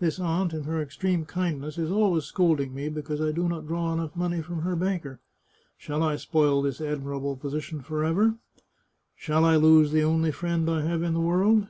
This aunt, in her extreme kind ness, is always scolding me because I do not draw enough 230 The Chartreuse of Parma money from her banker. Shall I spoil this admirable posi tion forever? Shall I lose the only friend I have in the world?